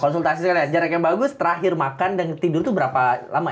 konsultasikan ya jarak yang bagus terakhir makan dan tidur itu berapa lama